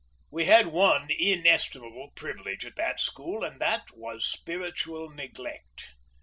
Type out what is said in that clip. We had one inestimable privilege at that school, and that was spiritual neglect.